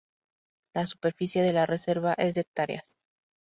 La superficie de la reserva es de hectáreas.